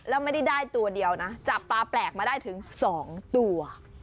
แล้วไม่ได้ได้ตัวเดียวนะจับปลาแปลกมาได้ถึง๒ตัว